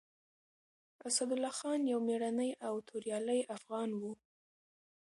اسدالله خان يو مېړنی او توريالی افغان و.